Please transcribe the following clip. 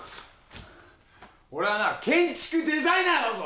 俺はな建築デザイナーだぞ！